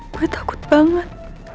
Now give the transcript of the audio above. gue takut banget